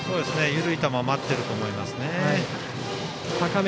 緩い球を待っていると思いますね。